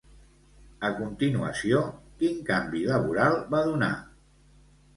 A continuació, quin canvi laboral va donar?